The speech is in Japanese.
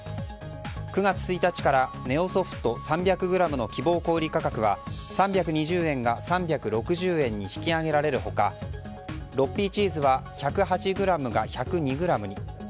９月１日からネオソフト３００ｇの希望小売価格は３２０円が３６０円に引き上げられる他６Ｐチーズは１０８ｇが１０２ｇに。